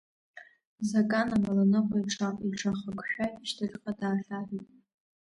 Закан амаланыҟәа иҽахакшәа ишьҭахьҟа даахьаҳәит.